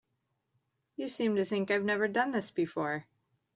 You seem to think I've never done this before.